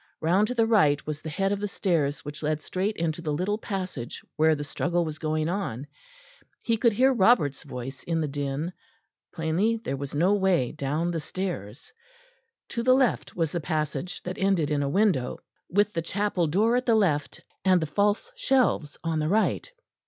Round to the right was the head of the stairs which led straight into the little passage where the struggle was going on. He could hear Robert's voice in the din; plainly there was no way down the stairs. To the left was the passage that ended in a window, with the chapel door at the left and the false shelves on the right.